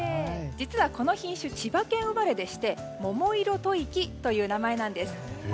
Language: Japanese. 実は、この品種千葉県生まれでして桃色吐息という名前なんです。